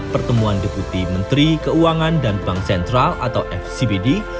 pertemuan deputi menteri keuangan dan bank sentral atau fcbd